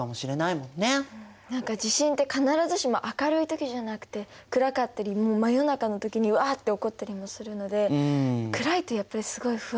何か地震って必ずしも明るい時じゃなくて暗かったり真夜中の時にわって起こったりもするので暗いとやっぱりすごい不安になりそうですよね。